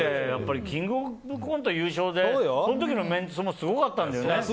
「キングオブコント」優勝でその時のメンツもすごかったんだよね。